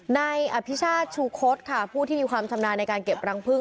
นายอภิชาติชูคดค่ะผู้ที่มีความชำนาญในการเก็บรังพึ่ง